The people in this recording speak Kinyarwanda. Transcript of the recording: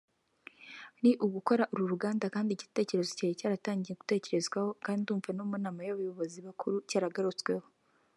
ni ugukora uru ruganda kandi igitekerezo cyari cyaratangiye gutekerezwaho kandi ndumva no mu nama y’abayobozi bakuru cyaragarutsweho